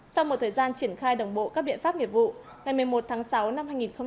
sau một thời gian triển khai đồng bộ các biện pháp nghiệp vụ ngày một mươi một tháng sáu năm hai nghìn hai mươi